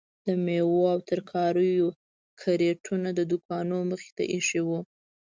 د میوو او ترکاریو کریټونه د دوکانو مخې ته ایښي وو.